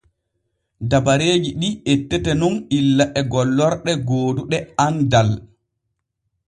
Dabareeji ɗi ettete nun illa e gollorɗe gooduɗe andal.